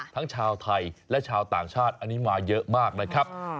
ทั้งชาวไทยและชาวต่างชาติอันนี้มาเยอะมากนะครับ